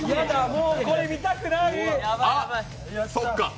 もうこれ見たくない！